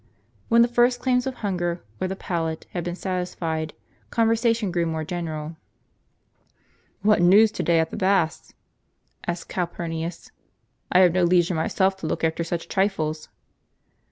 is U U When the first claims of hunger, or the palate, had been satisfied, conversation grew more general. " What news to day at the baths ?" asked Calpm nius; "I have no leisure myself to look after such trifles."